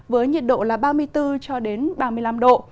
với nhiệt độ là ba mươi bốn ba mươi năm độ